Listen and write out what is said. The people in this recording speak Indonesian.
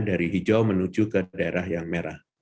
dari hijau menuju ke daerah yang merah